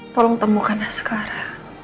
tolong temukan askara